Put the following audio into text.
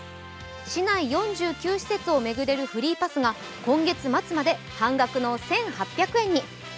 市内４９施設を巡れるフリーパスが今月末まで半額の１８００円に。